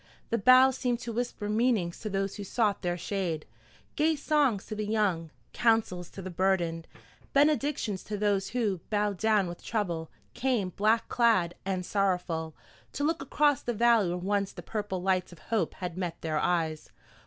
The boughs seemed to whisper meanings to those who sought their shade, gay songs to the young, counsels to the burdened, benedictions to those who, bowed down with trouble, came, black clad and sorrowful, to look across the valley where once the purple lights of hope had met their eyes.